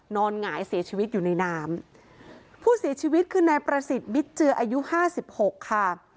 หงายเสียชีวิตอยู่ในน้ำผู้เสียชีวิตคือนายประสิทธิ์มิตเจืออายุห้าสิบหกค่ะ